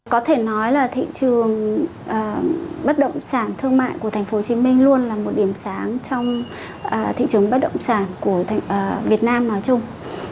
có thể nói là thị trường bất động sản thương mại của thành phố hồ chí minh luôn là một điểm sáng trong thị trường bất động sản của việt nam nói chung